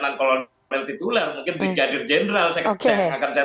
nang kolon tituler mungkin di jadir jenderal saya akan menawarkan